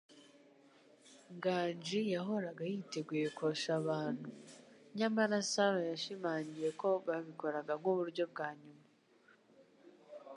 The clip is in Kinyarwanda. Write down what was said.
Nganji yahoraga yiteguye kwosha abantu, nyamara Sarah yashimangiye ko babikoresha nkuburyo bwa nyuma.